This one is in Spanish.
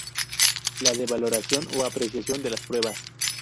La de valoración o apreciación de las pruebas.